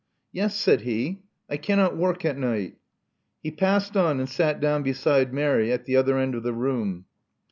Yes," said he. '*I cannot work at night." He passed on and sat down beside Mary at the other end of the room.